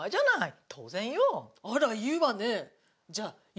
あら、言うわね。